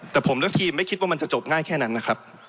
แต่ผมและทีมไม่คิดว่ามันจะจบง่ายแค่นั้นนะครับ